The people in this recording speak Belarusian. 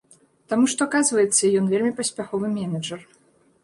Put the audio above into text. Таму што, аказваецца, ён вельмі паспяховы менеджар.